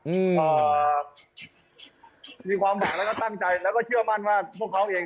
อืมเอ่อมีความหวังแล้วก็ตั้งใจแล้วก็เชื่อมั่นว่าพวกเขาเอง